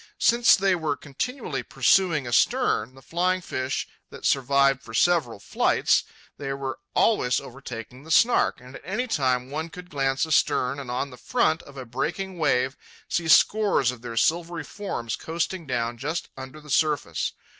Since they were continually pursuing astern the flying fish that survived for several flights, they were always overtaking the Snark, and at any time one could glance astern and on the front of a breaking wave see scores of their silvery forms coasting down just under the surface.